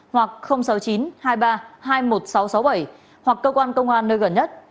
hoặc sáu mươi chín hai mươi ba hai mươi một nghìn sáu trăm sáu mươi bảy hoặc cơ quan công an nơi gần nhất